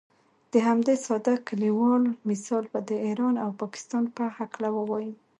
د همدې ساده کلیوال مثال به د ایران او پاکستان په هکله ووایم.